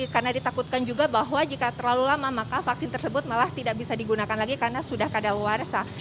karena ditakutkan juga bahwa jika terlalu lama maka vaksin tersebut malah tidak bisa digunakan lagi karena sudah keadaan luar sah